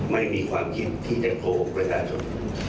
ไม่มีความคิดที่จะโกหกประชาชน